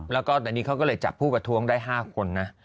แล้วก็ตอนนี้เขาก็เลยจับผู้ประท้วงได้๕คนนะ